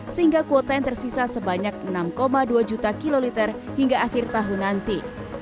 sehingga kuota yang tersisa sebanyak enam dua juta kiloliter hingga akhir tahun nanti